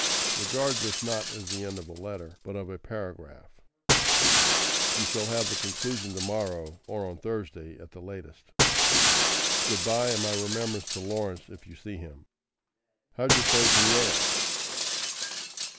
Regard this not as the end of a letter, but of a paragraph. You shall have the conclusion to morrow, or on Thursday at the latest. Goodbye, and my remembrance to Lawrence if you see him. How's your friend from Yale?